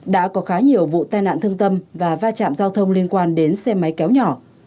đã có khá nhiều vụ tai nạn thương tâm và va chạm giao thông liên quan đến xe máy kéo nhỏ